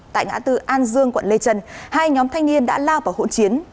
tại ngã tư an dương quận lê trân hai nhóm thanh niên đã lao vào hỗn chiến